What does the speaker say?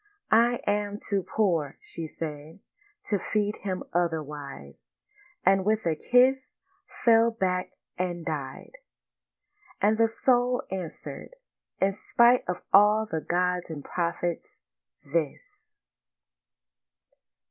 'I am too poor,' she said, 'To feed him otherwise'; and with a kiss Fell back and died. And the soul answeréd, 'In spite of all the gods and prophets—this!